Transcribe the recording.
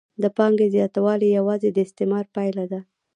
د پانګې زیاتوالی یوازې د استثمار پایله ده